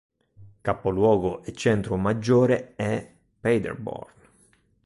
Capoluogo e centro maggiore è Paderborn.